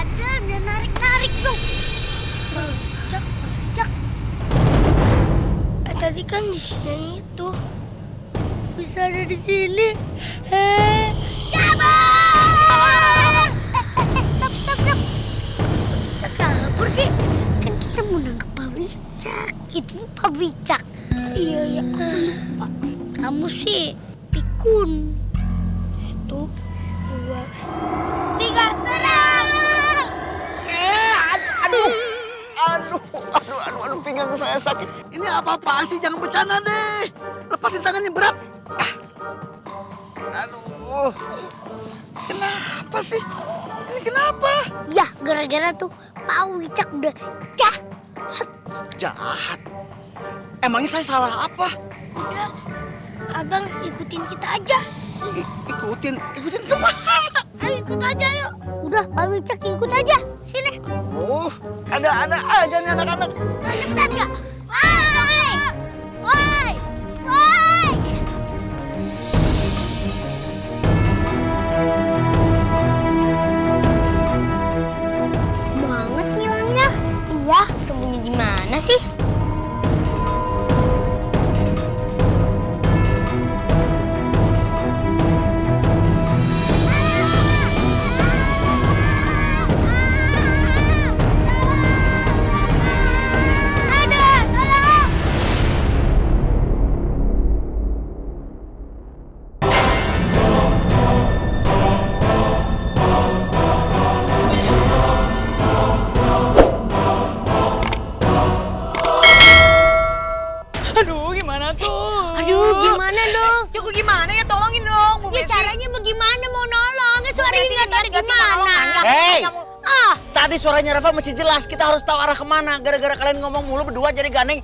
jangan lupa like share dan subscribe channel ini untuk dapat info terbaru